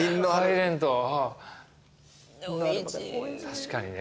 確かにね